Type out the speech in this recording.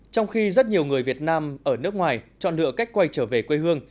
trong khi rất nhiều người việt nam ở nước ngoài chọn lựa cách quay trở về quê hương